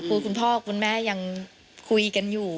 คือคุณพ่อคุณแม่ยังคุยกันอยู่